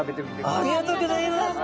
ありがとうございます。